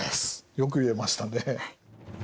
よく言えましたね。